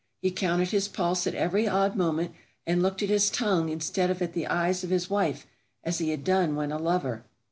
He counted his pulse at every odd moment, and looked at his tongue instead of at the eyes of his wife, as he had done when a lover.